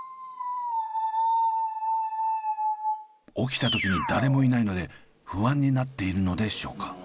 起きた時に誰もいないので不安になっているのでしょうか？